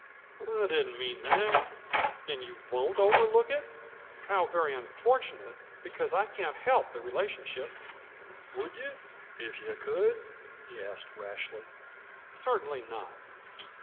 "I didn't mean that." "Then you won't overlook it? How very unfortunate! Because I can't help the relationship." "Would you, if you could?" he asked rashly. "Certainly not!"